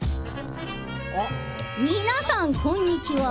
皆さんこんにちは。